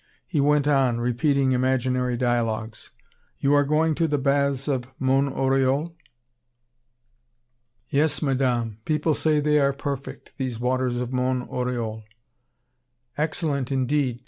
He went on, repeating imaginary dialogues: "'You are going to the baths of Mont Oriol?' "'Yes, Madame. People say they are perfect, these waters of Mont Oriol.' "'Excellent, indeed.